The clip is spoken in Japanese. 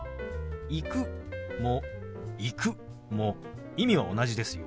「行く」も「行く」も意味は同じですよ。